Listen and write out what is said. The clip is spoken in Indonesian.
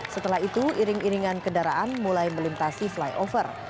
setelah itu iring iringan kendaraan mulai melintasi flyover